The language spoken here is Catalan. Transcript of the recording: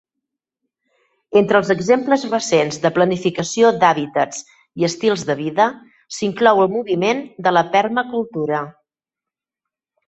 Entre els exemples recents de planificació d'hàbitats i estils de vida s'inclou el moviment de la permacultura.